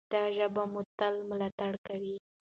دا ژبه به مو تل ملاتړ کوي.